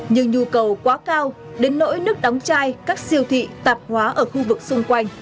nhưng nhu cầu quá cao đến nỗi nước đóng chai các siêu thị tạp hóa ở khu vực xung quanh